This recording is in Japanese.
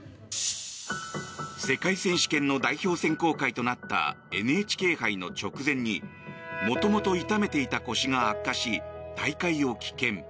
世界選手権の代表選考会となったＮＨＫ杯の直前に元々痛めていた腰が悪化し大会を棄権。